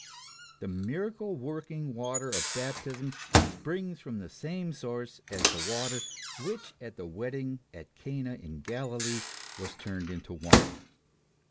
The miracle working water of baptism springs from the same source as the water which at the wed ding at Cana in Galilee was turned into wine.